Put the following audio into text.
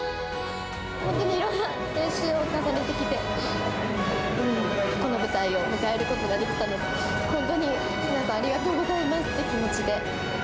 本当にいろんな練習を重ねてきて、この舞台を迎えることができたので、本当に、皆さんありがとうございますという気持ちで。